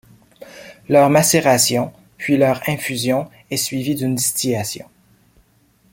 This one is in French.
Leur macération puis leur infusion est suivie d'une distillation.